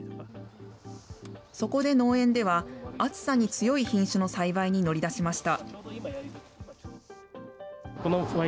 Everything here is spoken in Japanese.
そこで農園では、暑さに強い品種の栽培に乗り出しました。